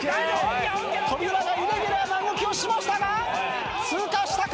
扉がイレギュラーな動きをしましたが通過したか？